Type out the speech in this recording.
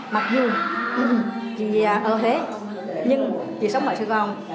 mặc dù chị ở huế nhưng chị sống ở sài gòn